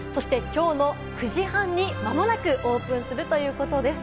そしてきょうの９時半に間もなくオープンするということです。